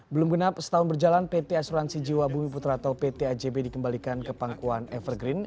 belum genap setahun berjalan pt asuransi jiwa bumi putra atau pt ajb dikembalikan ke pangkuan evergreen